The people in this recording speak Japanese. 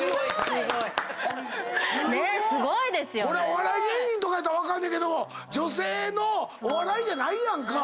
お笑い芸人やったら分かるけど女性のお笑いじゃないやんか。